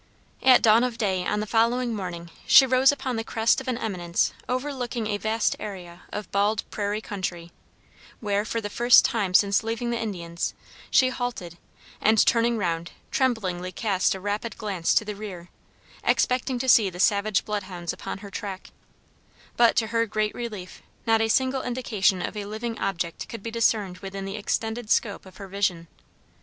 At dawn of day on the following morning she rose upon the crest of an eminence overlooking a vast area of bald prairie country, where, for the first time since leaving the Indians, she halted, and, turning round, tremblingly cast a rapid glance to the rear, expecting to see the savage blood hounds upon her track; but, to her great relief, not a single indication of a living object could be discerned within the extended scope of her vision.